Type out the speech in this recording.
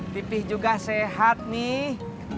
pipih juga sehat nih